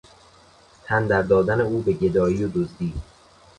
تن در دادن او به گدایی و دزدی